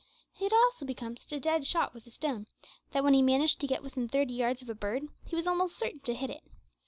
He had also become such a dead shot with a stone that when he managed to get within thirty yards of a bird, he was almost certain to hit it.